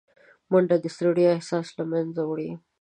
منډه د ستړیا احساس له منځه وړي